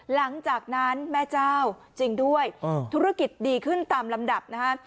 หลังจากนั้นแม่เจ้าจริงด้วยธุรกิจดีขึ้นตามลำดับนะฮะ